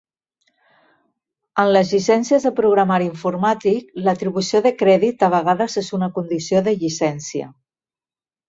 En les llicències de programari informàtic, l'atribució de crèdit a vegades és una condició de llicència.